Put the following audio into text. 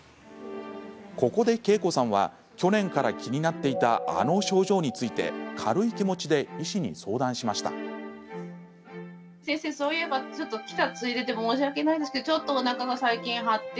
ここで、けいこさんは去年から気になっていたあの症状について軽い気持ちで医師に相談しました。